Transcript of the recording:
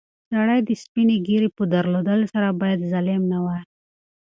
سړی د سپینې ږیرې په درلودلو سره باید ظالم نه وای.